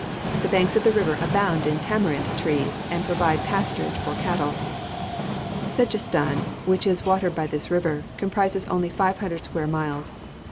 The banks of the river abound in tamarind trees and provide pasturage for cattle." Sedjestan, which is watered by this river, comprises only 500 square miles.